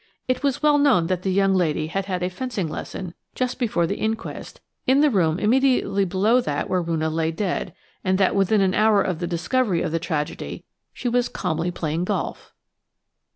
It was well known that the young lady had had a fencing lesson just before the inquest in the room immediately below that where Roonah lay dead, and that within an hour of the discovery of the tragedy she was calmly playing golf.